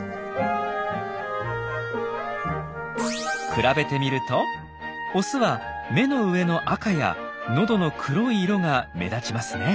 比べてみるとオスは目の上の赤やのどの黒い色が目立ちますね。